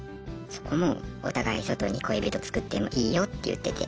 そこもお互い外に恋人作ってもいいよって言ってて。